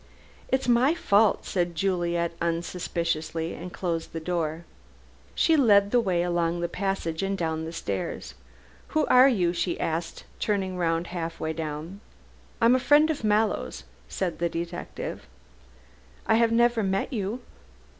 "It's my fault," said Juliet unsuspiciously, and closed the door. She led the way along the passage and down the stairs. "Who are you?" she asked, turning round half way down. "I am a friend of Mallow's," said the detective. "I have never met you?"